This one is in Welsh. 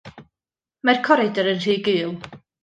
Mae'r coridor yn rhy gul.